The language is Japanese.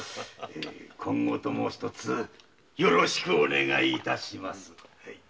今後ともひとつよろしくお願い致します。